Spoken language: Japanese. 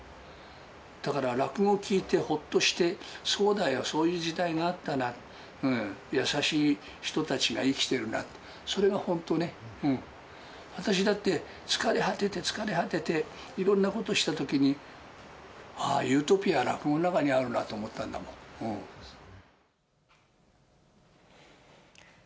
だから落語を聞いてほっとして、そうだよ、そういう時代があったな、優しい人たちが生きてるなって、それが本当ね、私だって、疲れ果てて疲れ果てて、いろんなことをしたときに、ああ、と、きょう、こんなふうに夕日が沈んでいったんですね。